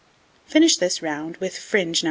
Finish this round with fringe No.